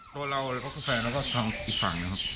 ตัวเราแล้วก็คือแฟนแล้วก็ทางอีกฝั่งนะครับ